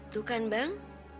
tuh kan bang